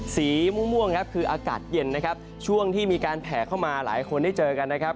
สีม่วงครับคืออากาศเย็นนะครับช่วงที่มีการแผ่เข้ามาหลายคนได้เจอกันนะครับ